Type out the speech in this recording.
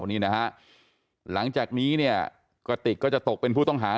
นี่นะฮะหลังจากนี้เนี่ยกระติกก็จะตกเป็นผู้ต้องหา